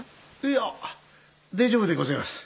いや大丈夫でごぜえます。